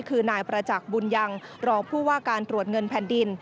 คือนายประจักษ์บุญยังรองผู้ว่าการตรวจเงินแผ่นดิน